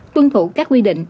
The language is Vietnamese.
tuân thủ các quy định